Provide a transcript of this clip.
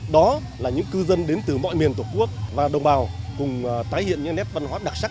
đó là những cư dân đến từ mọi miền tổ quốc và đồng bào cùng tái hiện những nét văn hóa đặc sắc